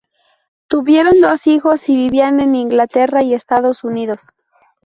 Tuvieron dos hijos y vivían en Inglaterra y Estados Unidos.